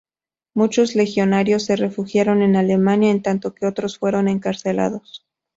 Muchos legionarios se refugiaron en Alemania, en tanto que otros fueron encarcelados.